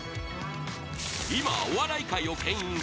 ［今お笑い界をけん引する